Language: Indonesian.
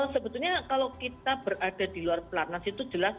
sebetulnya kalau kita berada di luar pelatnas itu jelas